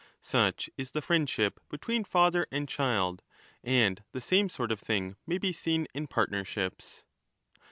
Such is the friendship between 40 father and child ; and the same sort of thing may be seen in partnerships.